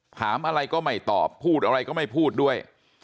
ถามอะไรก็ไม่ตอบพูดอะไรก็ไม่พูดด้วย